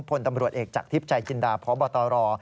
พลตำรวจเอกจากทิพย์ใจจินดาพบตร